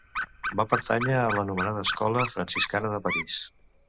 Va pertànyer a l'anomenada escola franciscana de París.